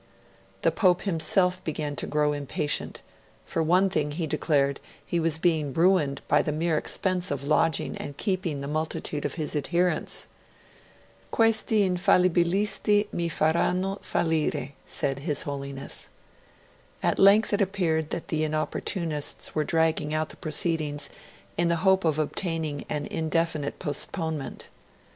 The Pope himself began to grow impatient; for one thing, he declared, he was being ruined by the mere expense of lodging and keeping the multitude of his adherents. 'Questi infallibilisti mi faranno fallire', said his Holiness. At length it appeared that the Inopportunists were dragging out the proceedings in the hope of obtaining an indefinite postponement.